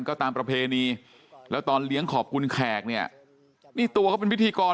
ก็ตามประเพณีแล้วตอนเลี้ยงขอบคุณแขกเนี่ยนี่ตัวเขาเป็นพิธีกร